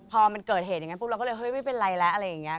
พอมันเกิดเหตุอย่างนั้นปุ๊บเราก็เลยเฮ้ยไม่เป็นไรแล้วอะไรอย่างนี้